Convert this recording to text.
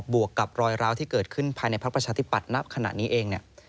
วกกับรอยร้าวที่เกิดขึ้นภายในพักประชาธิปัตย์ณขณะนี้เอง